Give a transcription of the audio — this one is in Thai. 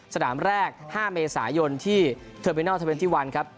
สนามแรก๕เมษายนที่เทอร์บินัล๒๑ครับ